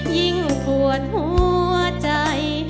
ยิ่งปวดหัวใจ